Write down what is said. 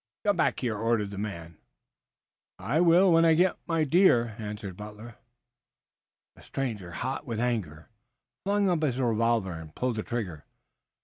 "Come back here!" ordered the man. "I will when I get the deer," answered Butler. The stranger, hot with anger, flung up his revolver and pulled the trigger.